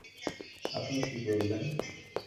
আপনি কি বললেন?